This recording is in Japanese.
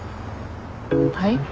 はい？